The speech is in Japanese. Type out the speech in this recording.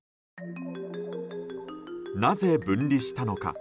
なぜ、分離したのか。